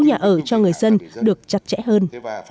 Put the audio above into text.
nhà ở cho người dân được chặt chẽ hơn